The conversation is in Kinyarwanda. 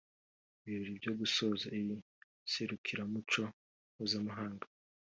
Ibirori byo gusoza iri serukiramuco mpuzamahanga